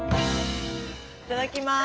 いただきます。